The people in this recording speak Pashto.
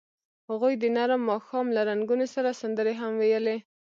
هغوی د نرم ماښام له رنګونو سره سندرې هم ویلې.